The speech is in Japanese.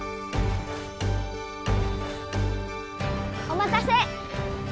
おまたせ！